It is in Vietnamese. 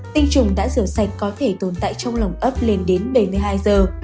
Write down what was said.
tinh trùng đã rửa sạch có thể tồn tại trong lòng ấp lên đến bảy mươi hai giờ